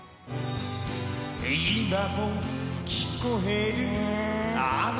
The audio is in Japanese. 今も聞こえる